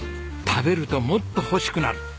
食べるともっと欲しくなる。